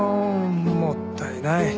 もったいない。